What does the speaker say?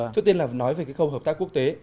trước tiên là nói về cái khâu hợp tác quốc tế